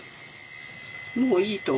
もういいと思う。